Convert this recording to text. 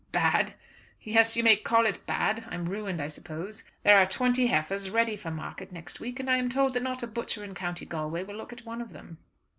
"Bad! yes, you may call it bad. I am ruined, I suppose. There are twenty heifers ready for market next week, and I am told that not a butcher in County Galway will look at one of them."